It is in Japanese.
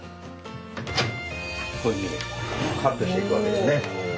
こういうふうにカットしていくわけですね。